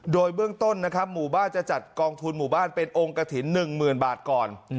โดยเบื้องต้นนะครับหมู่บ้านจะจัดกองทุนหมู่บ้านเป็นองค์กระถิ่น๑๐๐๐บาทก่อน